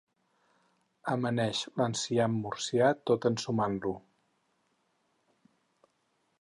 Amaneix l'enciam murcià tot ensumant-lo.